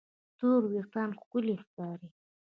تور وېښتيان ښکلي ښکاري.